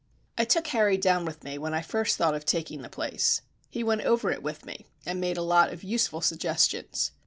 I took Harry down with me when I first thought of taking the place. He went over it with me and made a lot of useful suggestions.